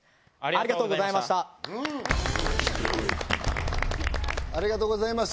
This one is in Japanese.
ありがとうございます。